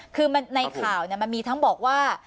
คือในข่าวมันมีทั้งบอกว่า